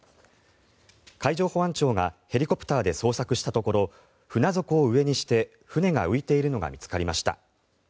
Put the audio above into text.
海上保安庁がヘリコプターで捜索したところ船底を上にして船が浮いているのが見つかりました。